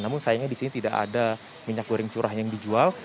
namun sayangnya di sini tidak ada minyak goreng curah yang dijual